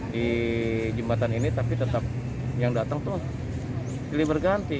di jembatan ini tetap yang datang kali berganti